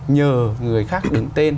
nhờ người khác đứng tên